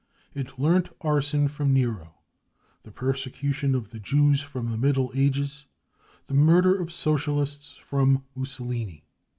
It learnt arson from Nero, the persecution of the Jews from the Middle Ages, the murder of Socialists from Mussolini.